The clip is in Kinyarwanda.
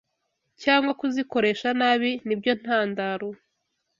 cyangwa kuzikoresha nabi ni byo ntandaro